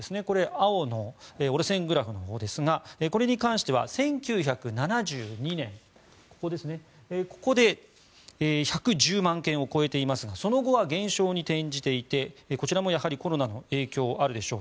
青の折れ線グラフのほうですがこれに関しては１９７２年ここで１１０万件を超えていますがその後は減少に転じていてこちらもやはりコロナの影響あるでしょう。